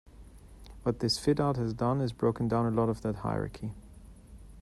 What this fitout has done is broken down a lot of that hierarchy.